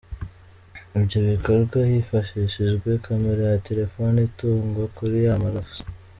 Ibyo bikorwa hifashishijwe camera ya telefone itungwa kuri ya maraso.